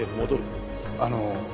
あの。